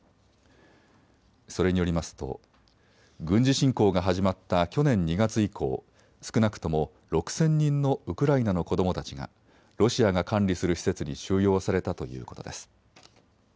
それによりますと軍事侵攻が始まった去年２月以降、少なくとも６０００人のウクライナの子どもたちがロシアが管理する施設に収容されたということです。